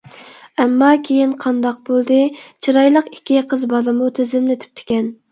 ئەمما كىيىن قانداق بولدى چىرايلىق ئىككى قىز بالىمۇ تىزىملىتىپتىكەن.